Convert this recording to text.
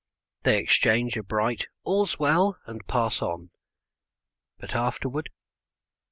They exchange a bright "All's well" and pass on. But afterward?